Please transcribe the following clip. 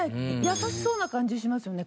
優しそうな感じしますよね